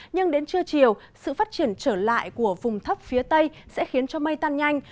nhưng đến trưa chiều sự phát triển trở lại của vùng thấp phía tây sẽ khiến cho mây tan nhanh